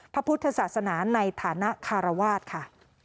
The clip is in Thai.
พระพุทธศาสนาในฐานะคารวาสค่ะ